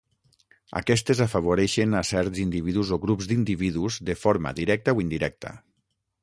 Aquestes afavoreixen a certs individus o grups d'individus de forma directa o indirecta.